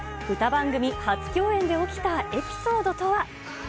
歌番組初共演で起きたエピソードとは。